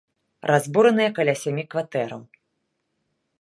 Разбураныя каля сямі кватэраў.